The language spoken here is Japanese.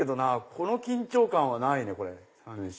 この緊張感はないね。